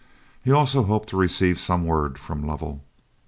He also hoped to receive some word from Lovell.